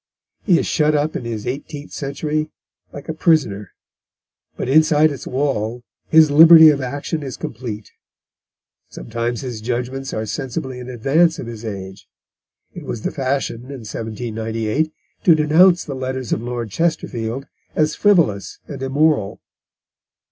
He is shut up in his eighteenth century like a prisoner, but inside its wall his liberty of action is complete. Sometimes his judgments are sensibly in advance of his age. It was the fashion in 1798 to denounce the Letters of Lord Chesterfield as frivolous and immoral.